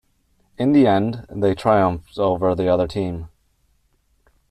In the end, they triumphed over the other team.